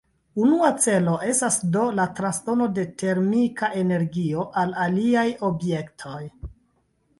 Unua celo estas do la transdono de termika energio al aliaj objektoj.